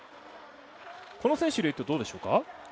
この選手でいうとどうでしょうか。